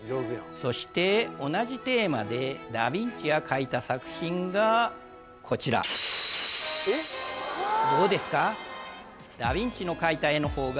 そして同じテーマでダ・ヴィンチが描いた作品がこちらどうですか？